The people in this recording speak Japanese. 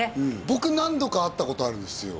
僕何度か会ったことあるんですよ